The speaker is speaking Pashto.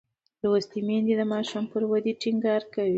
لوستې میندې د ماشوم پر ودې ټینګار کوي.